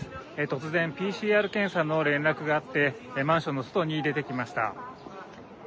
突然、ＰＣＲ検査の連絡があって、マンションの外に出てきました。